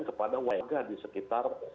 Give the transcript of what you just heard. kepada warga di sekitar